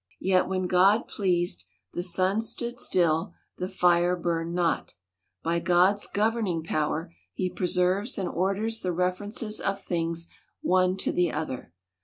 Yet when God pleased, the sun stood still, the fire burned not. — By God's gov erning poioer, he preserves and orders the references of things one to the other.